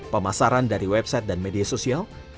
pemasaran dari website dan media sosial